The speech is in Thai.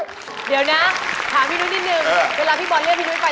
เวลาพี่บอลเลือกพี่นุ๊ยไป